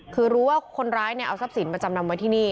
คือรู้ว่าคนร้ายเนี่ยเอาทรัพย์สินมาจำนำไว้ที่นี่